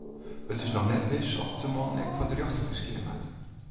It is noch net wis oft de man ek foar de rjochter ferskine moat.